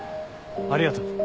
ありがとう。